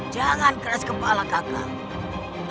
jangan keras kepala kakak